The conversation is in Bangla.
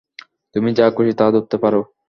তুমি যা খুশি তা ধরতে পারো।